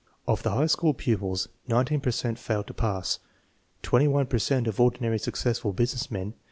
Of the high school pupils 19 per cent failed to pass, 21 per cent of ordinarily successful business men